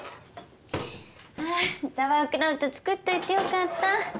あーザワークラウト作っといてよかった。